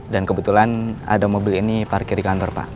dan kebetulan ada mobil ini parkir di kantor pak